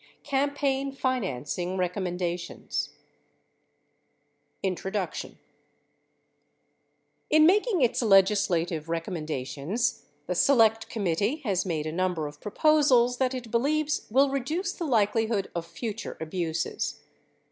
CAMPAIGN FINANCING EECOMMENDATIONS Introduction In making its legislative recommendations the Select Committee has made a number of proposals that it believes will reduce the likeli hood of future abuses.